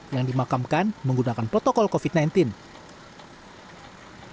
yang dimakamkan menggunakan protokol covid sembilan belas